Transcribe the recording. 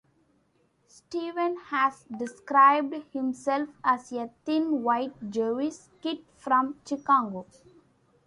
Steven has described himself as a "thin, white Jewish kid from Chicago".